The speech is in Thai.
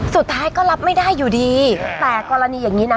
สุดท้ายก็รับไม่ได้อยู่ดีแต่กรณีอย่างนี้นะ